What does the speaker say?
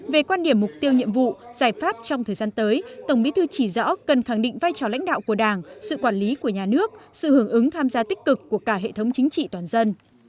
về quan điểm mục tiêu nhiệm vụ giải pháp trong thời gian tới tổng bí thư chỉ rõ cần khẳng định vai trò lãnh đạo của đảng sự quản lý của nhà nước sự hưởng ứng tham gia tích cực của cả hệ thống chính trị toàn dân